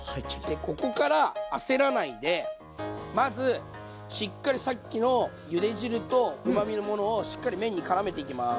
でここから焦らないでまずしっかりさっきのゆで汁とうまみのものをしっかり麺にからめていきます。